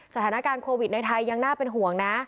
สถานการณ์โควิดในไทยยังน่าเป็นห่วงนะ